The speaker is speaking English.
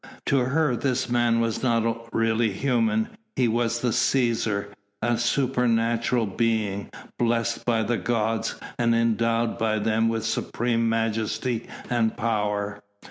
To her this man was not really human he was the Cæsar a supernatural being blessed by the gods, and endowed by them with supreme majesty and power.